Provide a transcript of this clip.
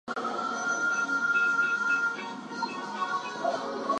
Both Ethiopia and Dawit suffered heavily from these assaults.